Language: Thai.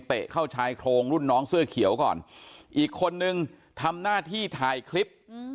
เข้าชายโครงรุ่นน้องเสื้อเขียวก่อนอีกคนนึงทำหน้าที่ถ่ายคลิป